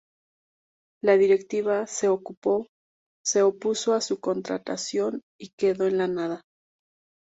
La Directiva se opuso a su contratación y quedó en la nada.